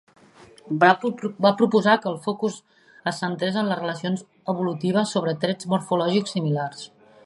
Va proposar que el focus es centrés en les relacions evolutives sobre trets morfològics similars.